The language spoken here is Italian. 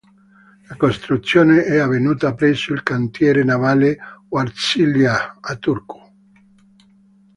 La costruzione è avvenuta presso il cantiere navale Wärtsilä, a Turku.